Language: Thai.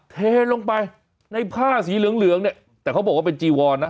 เทลงไปในผ้าสีเหลืองเหลืองเนี่ยแต่เขาบอกว่าเป็นจีวอนนะ